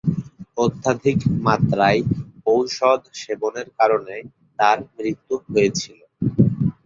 অত্যধিক মাত্রায় ঔষধ সেবনের কারণে তার মৃত্যু হয়েছিল।